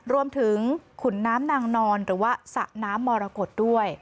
ขุนน้ำนางนอนหรือว่าสระน้ำมรกฏด้วย